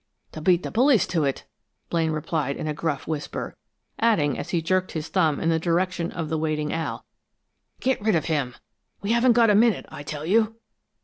"To beat the police to it!" Blaine replied in a gruff whisper, adding as he jerked his thumb in the direction of the waiting Al. "Get rid of him! We haven't got a minute, I tell you!"